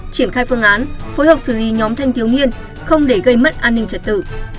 triển khai phương án phối hợp xử lý nhóm thanh thiếu niên không để gây mất an ninh trật tự